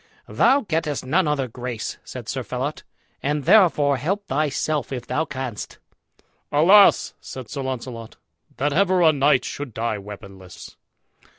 "Thou gettest none other grace," said Sir Phelot, "and therefore help thyself if thou canst." "Alas!" said Sir Launcelot, "that ever a knight should die weaponless!"